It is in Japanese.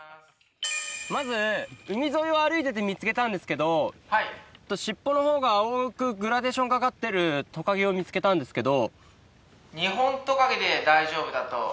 まず海沿いを歩いてて見つけたんですけど尻尾のほうが青くグラデーションかかってるトカゲを見つけたんですけど。